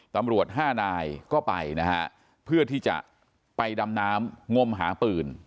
ตำรวจห้านายก็ไปนะฮะเพื่อที่จะไปดำน้ำงมหาปืน